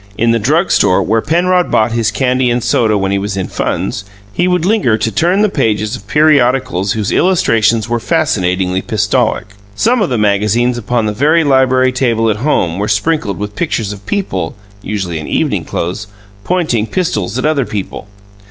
In the drug store, where Penrod bought his candy and soda when he was in funds, he would linger to turn the pages of periodicals whose illustrations were fascinatingly pistolic. Some of the magazines upon the very library table at home were sprinkled with pictures of people (usually in evening clothes) pointing pistols at other people.